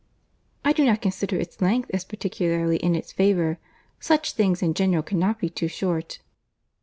"I do not consider its length as particularly in its favour. Such things in general cannot be too short."